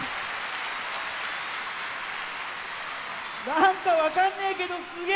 何か分かんねえけどすげえ！